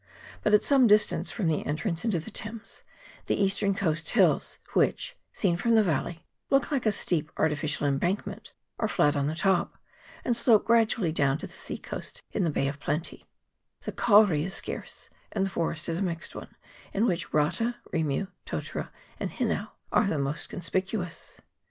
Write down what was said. But at some distance from the entrance into the Thames, the eastern coast hills, which, seen from the valley, look like a steep artificial embank ment, are flat on the top, and slope gradually down to the sea coast in the Bay of Plenty : the kauri is scarce ; and the forest is a mixed one, in which rata, rimu, totara, and hinau are the most conspi cuous.